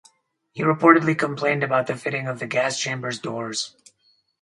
He reportedly complained about the fitting of the gas chambers doors.